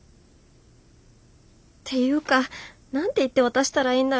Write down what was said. っていうか何て言って渡したらいいんだろう。